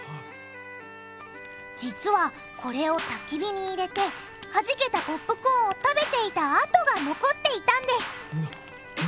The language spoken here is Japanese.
実はこれをたき火に入れてはじけたポップコーンを食べていた跡が残っていたんですななんだって？